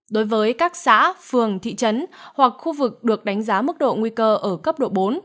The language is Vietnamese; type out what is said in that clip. đối với các xã phường thị trấn hoặc khu vực được đánh giá mức độ nguy cơ ở cấp độ bốn